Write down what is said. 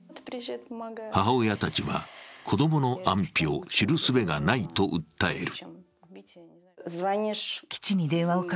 母親たちは、子供の安否を知るすべがないと訴えている。